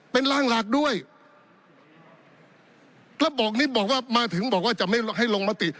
เป็นร่างหลักด้วยระบบนี้บอกว่ามาถึงบอกว่าจะไม่ให้ลงมติ